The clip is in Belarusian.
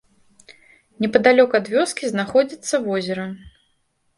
Непадалёк ад вёскі знаходзіцца возера.